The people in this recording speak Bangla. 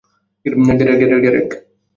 Derek, Derek, Derek.